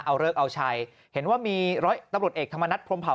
เอาเลิกเอาชัยเห็นว่ามีร้อยตำรวจเอกธรรมนัฐพรมเผา